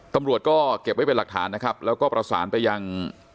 ตำรวจก็เก็บไว้เป็นหลักฐานนะครับแล้วก็ประสานไปยัง